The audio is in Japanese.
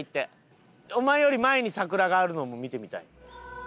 お前より前に桜があるのも見てみたい。